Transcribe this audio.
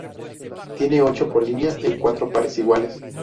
Tiene ocho polinia en cuatro pares iguales.